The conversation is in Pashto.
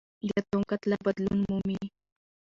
د اتوم کتله بدلون مومي.